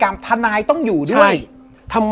แล้วสักครั้งหนึ่งเขารู้สึกอึดอัดที่หน้าอก